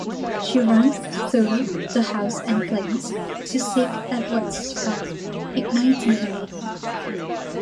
She runs through the house in flames to seek Edvard's help, igniting him.